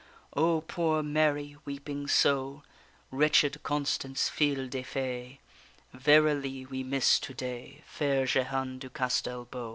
O poor Mary, weeping so! Wretched Constance fille de fay! Verily we miss to day Fair Jehane du Castel beau.